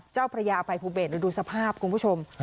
เจ้าพระยาภัยภูเบนดูสภาพคุณผู้ชม